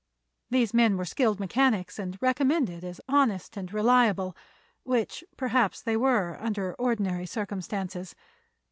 These men were skilled mechanics and recommended as honest and reliable—which perhaps they were under ordinary circumstances.